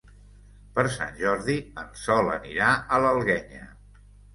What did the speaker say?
Per Sant Jordi en Sol anirà a l'Alguenya.